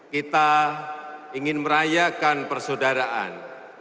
kita ingin merayakan persaudaraan